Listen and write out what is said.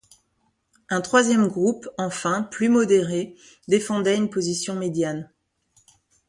Un troisième groupe, enfin, plus modéré, défendait une position médiane.